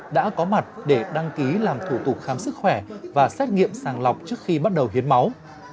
đã có mặt để đăng ký làm thủ tục khám sức khỏe và xét nghiệm sàng lọc trước khi bắt đầu hiến máu